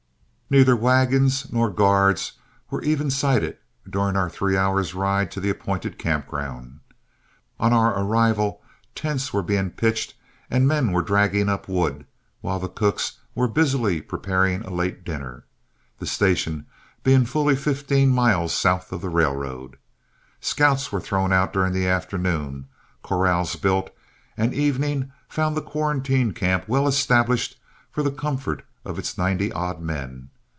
Neither wagons nor guards were even sighted during our three hours' ride to the appointed campground. On our arrival tents were being pitched and men were dragging up wood, while the cooks were busily preparing a late dinner, the station being fully fifteen miles south of the railroad. Scouts were thrown out during the afternoon, corrals built, and evening found the quarantine camp well established for the comfort of its ninety odd men.